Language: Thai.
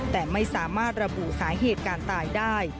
แต่ไม่สามารถระบุสาเหตุการตายได้